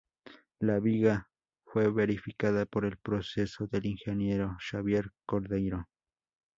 La viga fue verificada por el proceso del ingeniero Xavier Cordeiro.